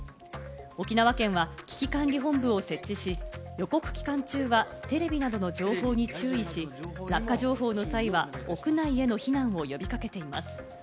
沖縄県は危機管理本部を設置し、予告期間中はテレビなどの情報に注意し、落下情報の際は屋内への避難を呼び掛けています。